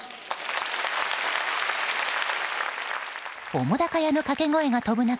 澤瀉屋の掛け声が飛ぶ中